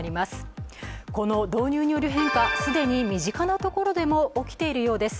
この導入による変化、既に身近なところでも起きているようです。